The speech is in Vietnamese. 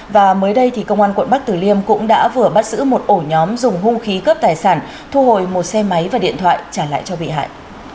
và mới đây thì công an quận bắc tử liêm cũng đã vừa bắt giữ một ổ nhóm dùng hung khí cướp tài sản thu hồi một xe máy và điện thoại trả lại cho bị hại